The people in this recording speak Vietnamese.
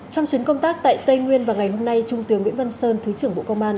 trong chuyến công tác tại tây nguyên vào ngày hôm nay trung tướng nguyễn văn sơn thứ trưởng bộ công an